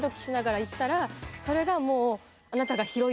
それがもう。